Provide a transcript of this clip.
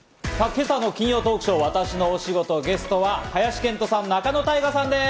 今朝の金曜トークショー、わたしの推しゴト、ゲストは林遣都さん、仲野太賀さんです。